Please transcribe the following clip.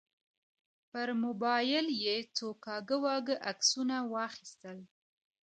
پر موبایل یې څو کاږه واږه عکسونه واخیستل.